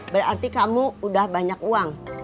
berarti kamu udah banyak uang